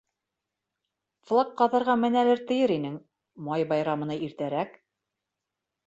Флаг ҡаҙарға менәлер тиер инең, май байрамына иртәрәк.